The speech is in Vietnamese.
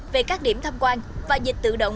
về các điểm tham quan và dịch tự động